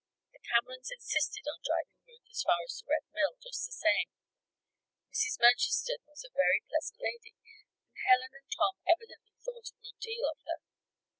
The Camerons insisted upon driving Ruth as far as the Red Mill, just the same. Mrs. Murchiston was a very pleasant lady, and Helen and Tom evidently thought a good deal of her.